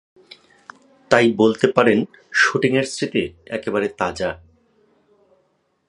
তাই বলতে পারেন শুটিংয়ের স্মৃতি একেবারে তাজা।